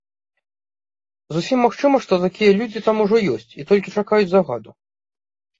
Зусім магчыма, што такія людзі там ужо ёсць і толькі чакаюць загаду.